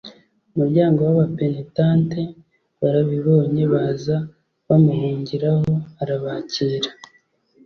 muryango w abapenitente barabibonye baza bamuhungiraho arabakira